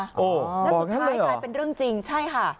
อ๋อบอกอย่างนั้นเลยเหรอแล้วสุดท้ายคลายเป็นเรื่องจริงใช่ค่ะ